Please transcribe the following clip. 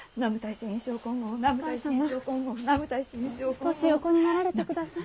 少し横になられてください。